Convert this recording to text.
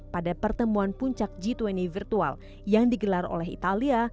pada pertemuan puncak g dua puluh virtual yang digelar oleh italia